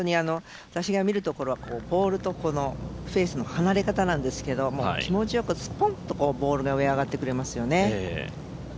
私が見るところはボールとフェースの離れ方なんですが気持ちよくスポンとボール、上がってくれますよね。